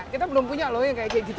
kita belum punya loh yang kayak gitu